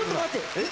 えっ？